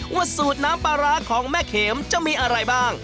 สูตรน้ำปลาร้าของแม่เข็มจะมีอะไรบ้าง